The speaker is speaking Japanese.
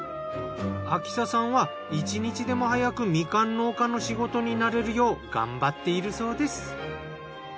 亜希紗さんは一日でも早くみかん農家の仕事に慣れるよう頑張っているそうです。